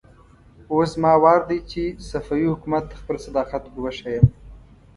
اوس زما وار دی چې صفوي حکومت ته خپل صداقت ور وښيم.